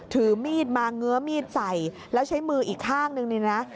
ถือมีดมาเงื้อมีดใส่แล้วใช้มืออีกข้างนึงเนี่ยนะ